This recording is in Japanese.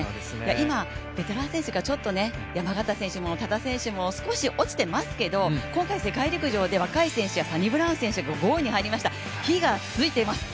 今、ベテラン選手がちょっと山縣選手も多田選手も少し落ちてますけど今回、世界陸上で若い選手サニブラウン選手が５位に入りました、火がついています。